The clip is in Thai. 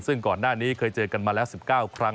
ซึ่งก่อนหน้านี้เคยเจอกันมาแล้ว๑๙ครั้ง